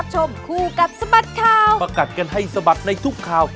เย่นด้าวขาวอีนา